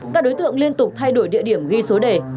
các đối tượng liên tục thay đổi địa điểm ghi số đề